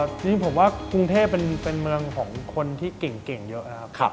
ทีนี้ผมว่ากรุงเทพเป็นเมืองของคนที่เก่งเยอะนะครับ